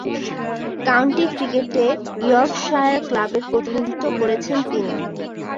County ক্রিকেটে Yorkshire ক্লাবের প্রতিনিধিত্ব করেছেন তিনি।